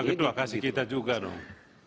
pak ketua kasih kita juga dong